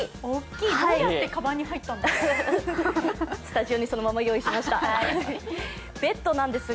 どうやってかばんに入ったんですか？